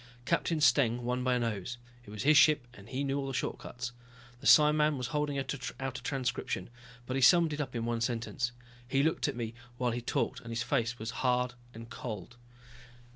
Captain Steng won by a nose, it was his ship and he knew all the shortcuts. The psiman was holding out a transcription, but he summed it up in one sentence. He looked at me while he talked and his face was hard and cold.